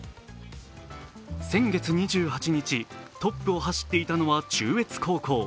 先月２８日、トップを走っていたのは中越高校。